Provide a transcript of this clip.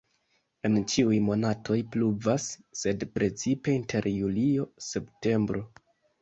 En ĉiuj monatoj pluvas, sed precipe inter julio-septembro.